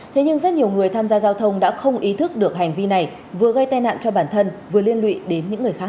thế nhưng rất nhiều người tham gia giao thông đã không ý thức được hành vi này vừa gây tai nạn cho bản thân vừa liên lụy đến những người khác